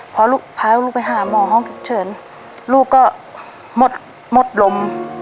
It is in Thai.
พอลูกพาลูกไปหาหมอห้องฉุกเฉินลูกก็หมดหมดลม